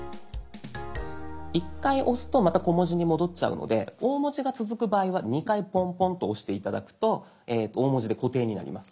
１回押すとまた小文字に戻っちゃうので大文字が続く場合は２回ポンポンと押して頂くと大文字で固定になります。